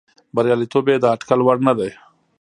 بریالیتوب یې د اټکل وړ نه دی.